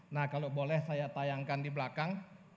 nah kalau boleh saya tayangkan di belakang